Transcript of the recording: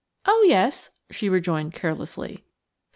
"Oh, yes!" she rejoined carelessly.